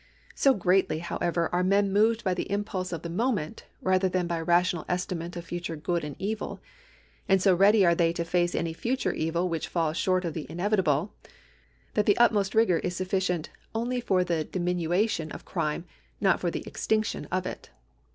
So greatly, however, are men moved by the impulse of the moment, rather than by a rational estimate of future good and evil, and so ready are they to face any future evil which falls short of the inevitable, that the utmost rigour is sufficient only for the diminution of crime, not for the extinc tion of it.